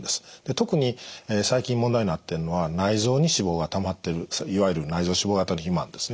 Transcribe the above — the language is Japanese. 特に最近問題になってるのは内臓に脂肪がたまってるいわゆる内臓脂肪型の肥満ですね。